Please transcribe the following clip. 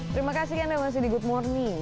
terima kasih anda masih di good morning